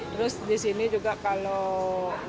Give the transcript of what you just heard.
terus di sini juga kalau